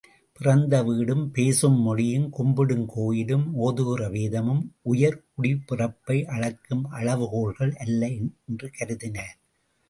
பிறந்த வீடும், பேசும் மொழியும், கும்பிடும் கோயிலும், ஓதுகிற வேதமும் உயர்குடிப்பிறப்பை அளக்கும் அளவுகோல்கள் அல்ல என்று கருதினார்.